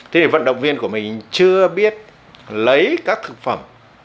thế thì vận động viên của mình chưa biết lấy các thực phẩm